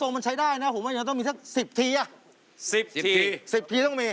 ผมนี่นักบอลมืออาทิตย์